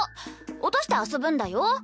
落として遊ぶんだよ。